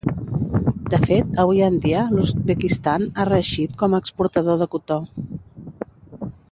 De fet, avui en dia l'Uzbekistan ha reeixit com a exportador de cotó.